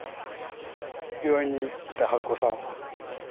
病院にいた春子さん。